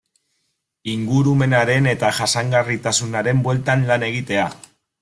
Ingurumenaren eta jasangarritasunaren bueltan lan egitea.